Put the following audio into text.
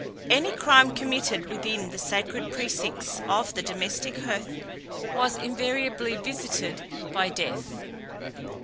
Any crime committed within the sacred precincts of the domestic hearth was invariably visited by death.